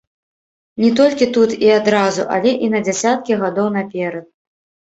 Не толькі тут і адразу, але і на дзясяткі гадоў наперад.